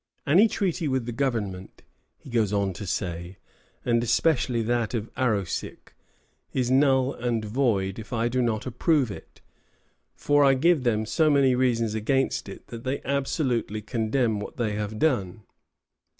"Any treaty with the governor," he goes on to say, "and especially that of Arrowsick, is null and void if I do not approve it, for I give them so many reasons against it that they absolutely condemn what they have done."